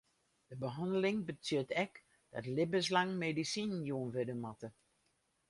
De behanneling betsjut ek dat libbenslang medisinen jûn wurde moatte.